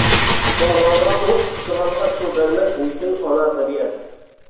توڭغانغا ئوت، ئۇسسىغانغا سۇ بەرمەس نېچۈن ئانا تەبىئەت؟ !